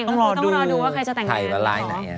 ต้องรอดูต้องรอดูว่าใครจะแต่งงานกันเหรอ